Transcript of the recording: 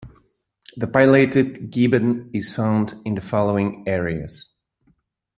The pileated gibbon is found in the following areas.